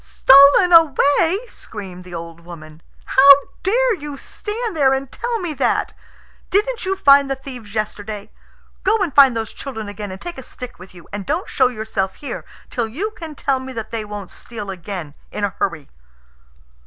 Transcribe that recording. "Stolen away!" screamed the old woman. "How dare you stand there and tell me that? Didn't you find the thieves yesterday? Go and find those children again, and take a stick with you, and don't show yourself here till you can tell me that they won't steal again in a hurry."